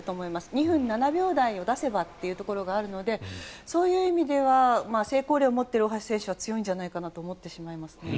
２分７秒台を出せばというところがあるのでそういう意味では成功例を持っている大橋選手は強いんじゃないかなと思ってしまいます。